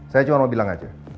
saya cuma mau bilang aja